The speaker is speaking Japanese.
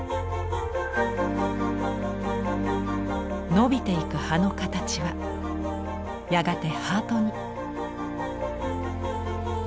伸びていく葉の形はやがてハートに。